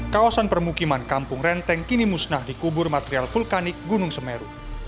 kawasan permukiman kampung renteng kini musnah dikubur material vulkanik gunung semeru